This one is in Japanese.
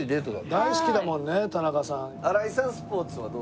大好きだもんね田中さん。